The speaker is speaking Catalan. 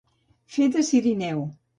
Fer de cirineu.